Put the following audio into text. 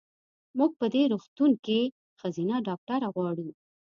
مونږ په دې روغتون کې ښځېنه ډاکټره غواړو.